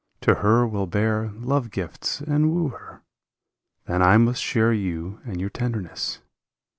To her will bear Love gifts and woo her ... then must I share You and your tenderness